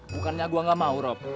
bukannya gue gak mau rob